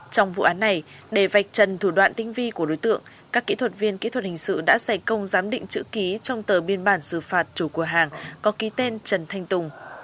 trong vụ án này để vạch trần thủ đoạn tinh vi của đối tượng các kỹ thuật viên kỹ thuật hình sự đã xảy công giám định chữ ký trong tờ biên bản xử phạt chủ cửa hàng có ký tên trần thanh tùng